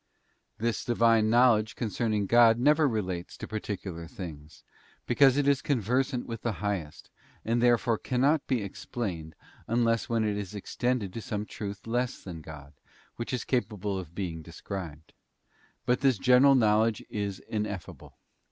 177 This Divine knowledge concerning God never relates to particular things, because it is conversant with the Highest, and therefore cannot be explained unless when it is extended to some truth less than God, which is capable of being described ; but this general knowledge is ineffable.